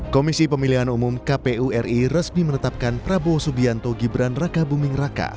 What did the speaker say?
komisi pemilihan umum kpu ri resmi menetapkan prabowo subianto gibran raka buming raka